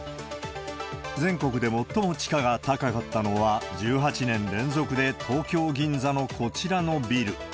全国で最も地価が高かったのは、１８年連続で東京・銀座のこちらのビル。